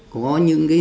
có những cái